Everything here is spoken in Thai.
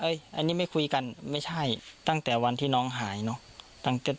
อันนี้ไม่คุยกันไม่ใช่ตั้งแต่วันที่น้องหายเนอะ